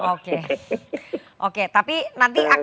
oke oke tapi nanti akan